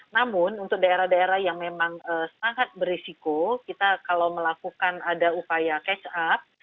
namun untuk daerah daerah yang memang sangat berisiko kita kalau melakukan ada upaya cash up